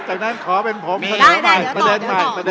จากนั้นขอให้เป็นผม